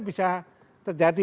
itu bisa terjadi